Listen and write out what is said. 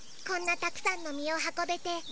こんなたくさんのみをはこべて。